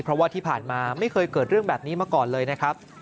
เพราะว่าที่ผ่านมาไม่เคยเกิดเรื่องแบบนี้มาก่อนเลยนะครับ